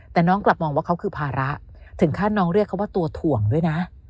แต่น้องกลับมองว่าเขาคือภาระถึงขั้นน้องเรียกเขาว่าตัวถ่วงด้วยนะ